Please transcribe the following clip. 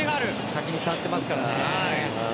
先に触ってますからね。